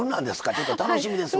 ちょっと楽しみですわ。